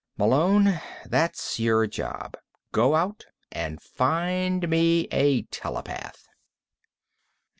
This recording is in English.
Malone, that's your job: go out and find me a telepath."